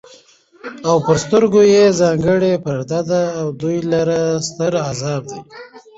او پر سترگو ئې ځانگړې پرده ده او دوى لره ستر عذاب دی